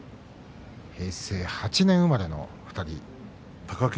平成８年生まれの２人。